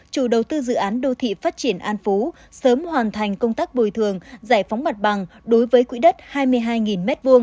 chủ đầu tư dự án đô thị phát triển an phú sớm hoàn thành công tác bồi thường giải phóng mặt bằng đối với quỹ đất hai mươi hai m hai